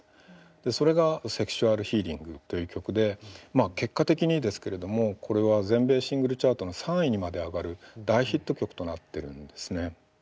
それが「ＳｅｘｕａｌＨｅａｌｉｎｇ」という曲でまあ結果的にですけれどもこれは全米シングルチャートの３位にまで上がる大ヒット曲となってるんですね。